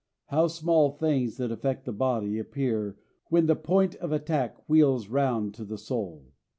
How small things that affect the body appear when the point of attack wheels round to the soul!